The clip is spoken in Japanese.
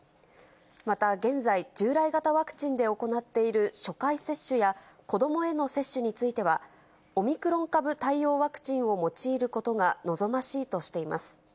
また現在、従来型ワクチンで行っている初回接種や、子どもへの接種については、オミクロン株対応ワクチンを用いることが望ましいとしています。